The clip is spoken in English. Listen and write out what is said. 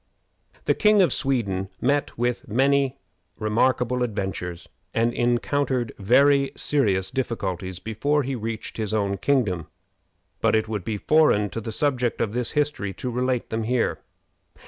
The King of Sweden met with many remarkable adventures and encountered very serious difficulties before he reached his own kingdom, but it would be foreign to the subject of this history to relate them here.